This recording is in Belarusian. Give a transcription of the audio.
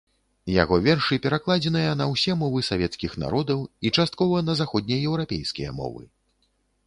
Яго вершы перакладзеныя на ўсе мовы савецкіх народаў і часткова на заходнееўрапейскія мовы.